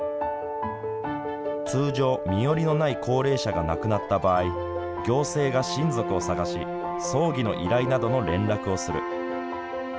通常、身寄りのない高齢者が亡くなった場合行政が親族を探し葬儀を依頼などの連絡をする。